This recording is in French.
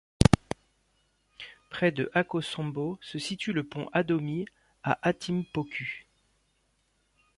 Près de Akosombo se situe le pont Adomi à Atimpoku.